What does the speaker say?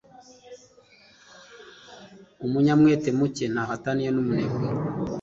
Umunyamwete muke ntaho ataniye n' umunebwe.